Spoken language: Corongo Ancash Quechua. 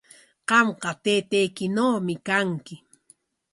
Qamqa taytaykinawmi kanki.